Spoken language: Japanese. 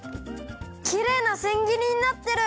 きれいなせんぎりになってる！